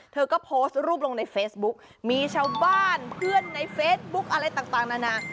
เธอก็โพสต์รูปลงในเฟซบุ๊กมีชาวบ้านเพื่อนในเฟซบุ๊กอะไรต่างนานา